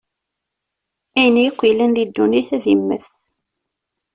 Ayen akk yellan di ddunit ad immet.